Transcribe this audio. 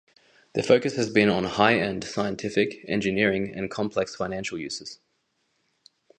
Their focus has been on high-end scientific, engineering and complex financial uses.